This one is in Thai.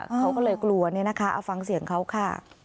เขาก็เลยกลัวเนี่ยนะคะเอาฟังเสียงเขาค่ะ